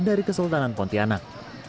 dari kesultanan pontianak